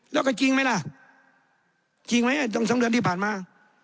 แล้วก็จริงไหมล่ะจริงไหม๒เดือนที่ผ่านมา